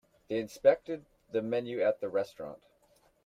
They inspected the menu at the restaurant.